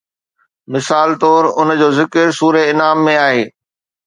مثال طور ان جو ذڪر سوره انعام ۾ آهي